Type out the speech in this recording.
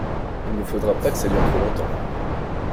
Il ne faudra pas que ça dure trop longtemps.